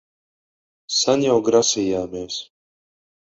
Sen jau grasījāmies...